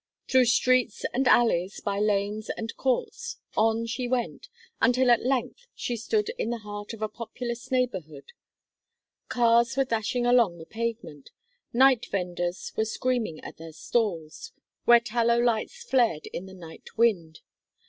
Through streets and alleys, by lanes and courts on she went, until at length she stood in the heart of a populous neighbourhood. Cars were dashing along the pavement; night vendors were screaming at their stalls, where tallow lights flared in the night wind.